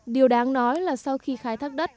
điều đáng nói là sau khi khai thác đất